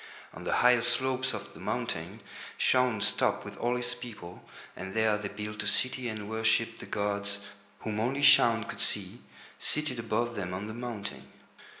On the higher slopes of the mountain Shaun stopped with all his people, and there they built a city and worshipped the gods, whom only Shaun could see, seated above them on the mountain.